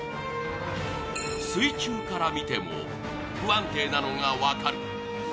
水中から見ても不安定なのが分かる。